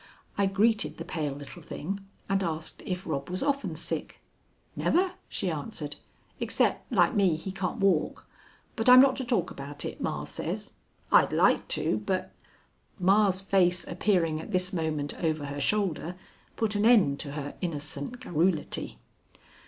I greeted the pale little thing, and asked if Rob was often sick. "Never," she answered, "except, like me, he can't walk. But I'm not to talk about it, ma says. I'd like to, but " Ma's face appearing at this moment over her shoulder put an end to her innocent garrulity.